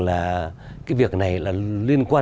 là cái việc này là liên quan